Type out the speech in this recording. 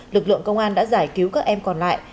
lực lượng công an đã giải cứu các em còn lại